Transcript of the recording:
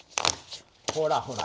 ほらほら